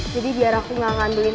jadi biar aku gak ambilin